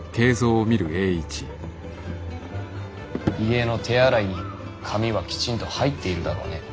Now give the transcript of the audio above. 家の手洗いに紙はきちんと入っているだろうね？